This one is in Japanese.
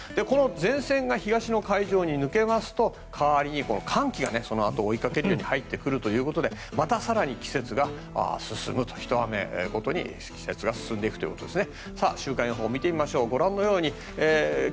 前線が東の海上に抜けますと代わりに寒気がそのあとを追いかけるように入ってくるということでまた更に季節が進むひと雨ごとに季節が進んでいくということですね。